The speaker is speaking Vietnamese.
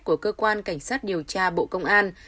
của cơ quan cảnh sát điều tra bộ công an